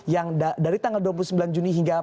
yang dari tanggal dua puluh sembilan juni hingga